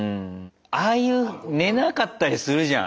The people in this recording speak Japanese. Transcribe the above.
ああいう寝なかったりするじゃん。